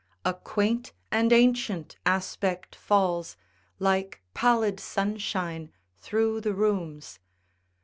A quaint and ancient aspect falls Like pallid sunshine through the rooms.